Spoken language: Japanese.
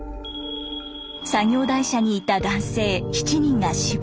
作業台車にいた男性７人が死亡。